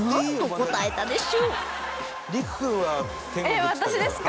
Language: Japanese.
えっ私ですか？